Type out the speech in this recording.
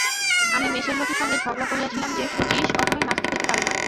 আমি মেসের লোকের সঙ্গে ঝগড়া করিয়াছিলাম যে, শচীশ কখনোই নাস্তিক হইতে পারে না।